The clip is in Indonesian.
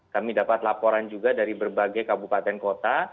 kami dapat laporan juga dari berbagai kabupaten kota